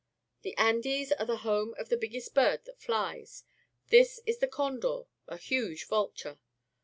The Andes are the home of the biggest bird that flies. This is the GQndoi:,ahuge \'ulture.